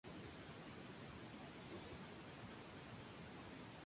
Sus dotes de augur y adivino fueron un regalo de Apolo.